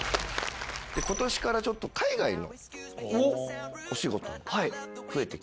今年からちょっと海外のお仕事も増えて来まして。